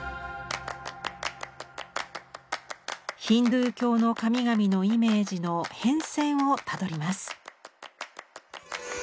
ヒンドゥー教の神々のイメージの変遷をたどります。